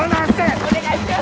お願いします！